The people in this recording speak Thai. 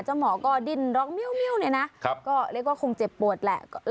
หมอก็ดิ้นร็อกเมียวเนี่ยนะก็เรียกว่าคงเจ็บปวดแหละ